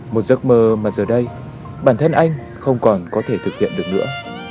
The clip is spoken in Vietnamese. một giấc mơ mà giờ đây bản thân anh không còn có thể thực hiện được nữa